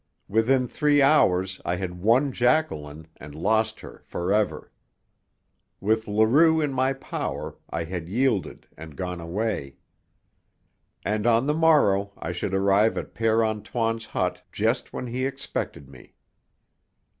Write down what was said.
Within three hours I had won Jacqueline and lost her forever. With Leroux in my power, I had yielded and gone away. And on the morrow I should arrive at Père Antoine's hut just when he expected me.